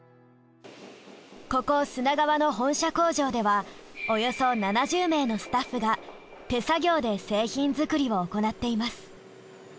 ここ砂川の本社工場ではおよそ７０名のスタッフが手作業で製品作りを行っています。